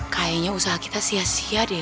kayaknya usaha kita sia sia deh